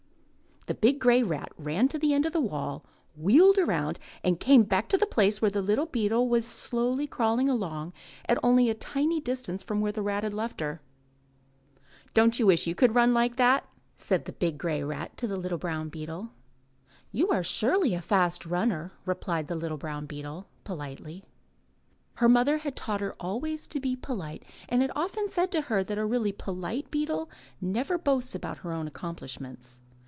The big grey rat ran to the end of the wall, wheeled around, and came back to the place where the little beetle was slowly crawling along at only a tiny distance from where the rat had left her. ''Don't you wish that you could run like that?'* *Taken from Fairy Tales from Brazil. Copyright, 1917, by Dodd, Mead & Company, Inc. 128 UP ONE PAIR OF STAIRS said the big grey rat to the little brown beetle. You are surely a fast runner," replied the little brown beetle, politely. Her mother had taught her always to be polite and had often said to her that a really polite beetle never boasts about her own accom plishments.